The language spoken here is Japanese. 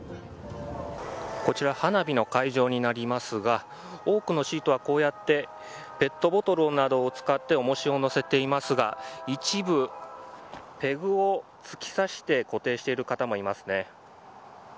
こちら花見の会場になりますが多くのシートは、こうやってペットボトルなどを使って重しを載せていますが一部、ペグを突き刺して固定している方もいますね。